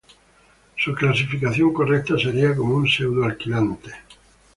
Su clasificación correcta sería como un pseudo-alquilante.